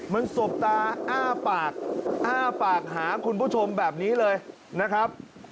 มันสบตาอ้าปากอ้าปากหาคุณผู้ชมแบบนี้เลยนะครับ